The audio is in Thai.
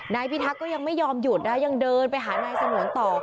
พิทักษ์ก็ยังไม่ยอมหยุดนะยังเดินไปหานายสงวนต่อ